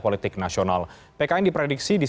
pkn disiapkan sebagai soft landing anas urbaningrum